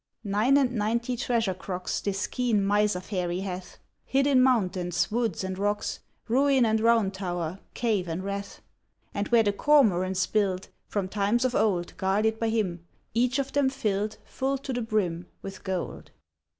Nine and ninety treasure crocks This keen miser fairy hath, Hid in mountains, woods, and rocks, Ruin and round tow'r, cave and rath, And where the cormorants build; From times of old Guarded by him; Each of them fill'd Full to the brim With gold!